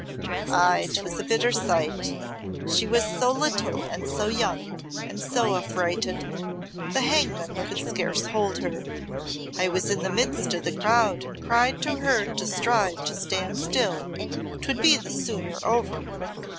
Aye, 'twas a bitter sight! She was so little and so young, and so affrighted. The hangman could scarce hold her. I was i' the midst o' the crowd and cried to her to strive to stand still, 'twould be the sooner over.